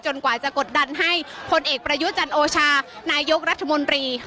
กว่าจะกดดันให้พลเอกประยุจันโอชานายกรัฐมนตรี